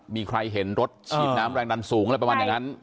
มีใครเห็นรถฉีดน้ำแรงดันสูงอะไรประมาณอย่างนั้น